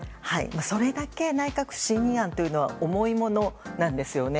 それだけ内閣不信任案というのは重いものなんですよね。